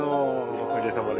おかげさまで。